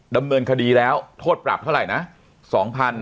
ดำเนินคดีแล้วโทษปรับเท่าไหร่นะ